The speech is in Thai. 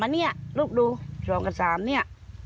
๒๓นี่ลูกดู๒๓นี่